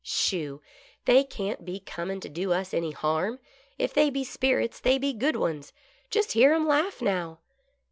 " Sho !— they can't be cornin' to do us any harm ; if they be spirits they be good ones. Just hear 'em laugh now."